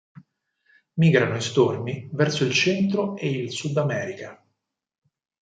Migrano in stormi verso il Centro e il Sudamerica.